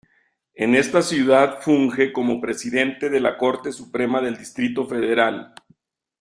En esta ciudad funge como Presidente de la Corte Suprema del Distrito Federal.